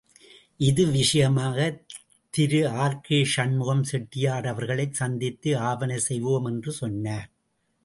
இது விஷயமாக திருஆர்.கே.சண்முகம் செட்டியார் அவர்களைச் சந்தித்து ஆவன செய்வோம் என்று சொன்னார்.